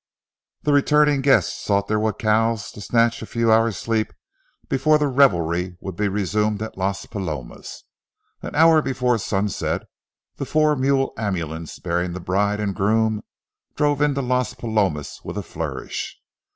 The returning guests sought their jacals to snatch a few hours' sleep before the revelry would be resumed at Las Palomas. An hour before sunset the four mule ambulance bearing the bride and groom drove into Las Palomas with a flourish.